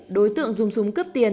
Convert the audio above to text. đối tượng dùng súng cướp tiền